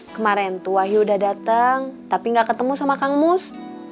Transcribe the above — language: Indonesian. kemarin tuh wahyu udah datang tapi gak ketemu sama kang mus